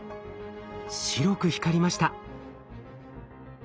白く光りました。